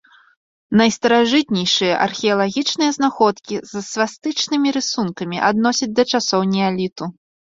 Найстаражытнейшыя археалагічныя знаходкі з свастычнымі рысункамі адносяць да часоў неаліту.